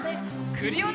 クリオネ！